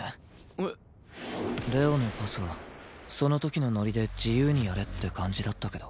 えっ？玲王のパスはその時のノリで自由にやれって感じだったけど。